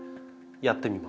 やってみます。